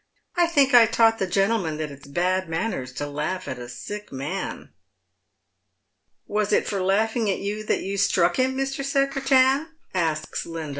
I think I taught the gentleman that it's bad manners to laugh at a sick man." " Was it for laughing at you that you struck him, Mr. Secretan ?" asks Linda.